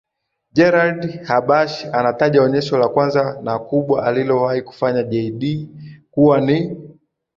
Gerald Habash anataja onyesho la kwanza na kubwa alilowahi kufanya Jay Dee kuwa ni